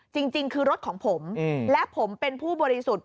จริงคือรถของผมและผมเป็นผู้บริสุทธิ์